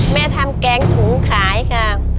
แม่ทำแกงถุงขายค่ะ